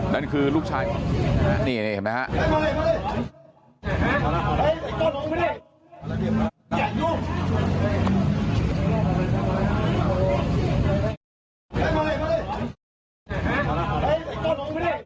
นั่นคือลูกชายนี่เห็นมั้ยครับ